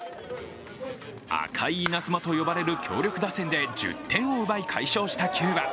赤い稲妻と呼ばれる強力打線で１０点を奪い快勝したキューバ。